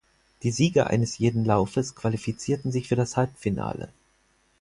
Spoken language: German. Die Sieger eines jeden Laufes qualifizierten sich für das Halbfinale.